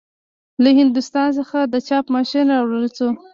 له هندوستان څخه د چاپ ماشین راوړل شو.